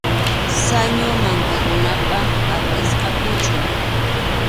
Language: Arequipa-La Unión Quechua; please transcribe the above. Sañu mankakunap pʼakisqa puchun.